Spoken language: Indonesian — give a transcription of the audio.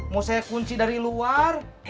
mau saya kunci dari luar